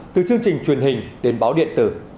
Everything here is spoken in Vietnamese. từ chương trình truyền hình đến báo điện tử